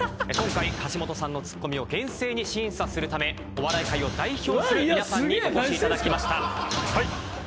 今回橋本さんのツッコミを厳正に審査するためお笑い界を代表する皆さんにお越しいただきました。